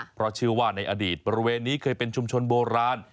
เพราะเชื่อว่าในอดีตบริเวณนี้เคยเป็นชุมชนโบราณ